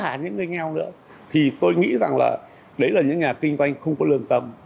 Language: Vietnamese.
hạn những người nghèo nữa thì tôi nghĩ rằng là đấy là những nhà kinh doanh không có lương tâm